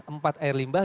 empat air limbah